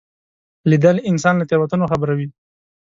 لیدل انسان له تېروتنو خبروي